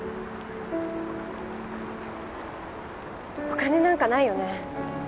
お金なんかないよね？